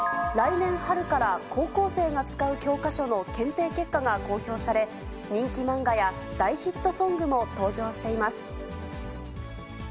来年春から高校生が使う教科書の検定結果が公表され、人気漫画や大ヒットソングも登場しています。